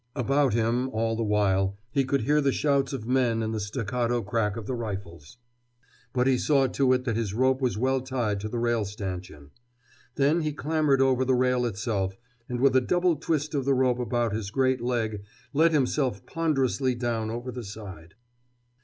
About him, all the while, he could hear the shouts of men and the staccato crack of the rifles. But he saw to it that his rope was well tied to the rail stanchion. Then he clambered over the rail itself, and with a double twist of the rope about his great leg let himself ponderously down over the side.